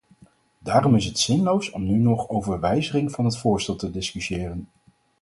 Daarom is het zinloos om nu nog over wijziging van het voorstel te discussiëren.